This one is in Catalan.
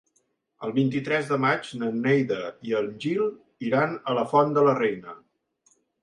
El vint-i-tres de maig na Neida i en Gil iran a la Font de la Reina.